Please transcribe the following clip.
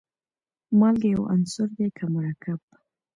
مالګه یو عنصر دی که مرکب.